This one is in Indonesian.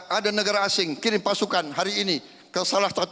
ada negara asing kirim pasukan hari ini ke salah satu